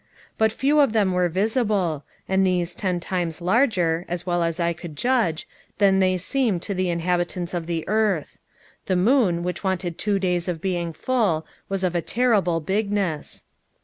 _But few of them were visible, and these ten times larger (as well as I could judge) than they seem to the inhabitants of the earth. The moon, which wanted two days of being full, was of a terrible bigness.